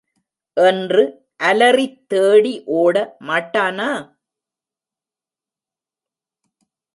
என்று அலறித் தேடி ஒட மாட்டானா?